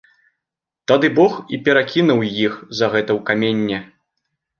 Тады бог і перакінуў іх за гэта ў каменне.